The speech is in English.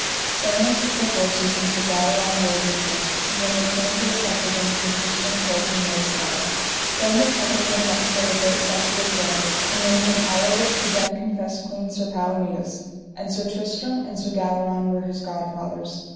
Then they took their horses and Sir Galleron rode with them. And when they came to the Suffragan Sir Tristram told him their desire. Then the Suffragan let fill a great vessel with water, and when he had hallowed it he then confessed clean Sir Palomides, and Sir Tristram and Sir Galleron were his godfathers.